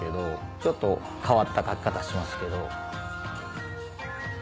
ちょっと変わった書き方しますけど。